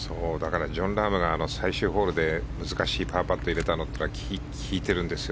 ジョン・ラームが最終ホールで難しいパーパットを入れたのが効いてるんですよ